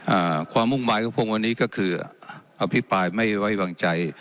อ่าความมุ่งวายของผมวันนี้ก็คืออภิปรายไม่ไว้วางใจ